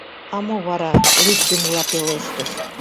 А мо вара? — лӱддымыла пелештыш.